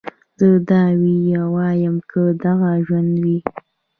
زه دا واييم که دغه ژوند وي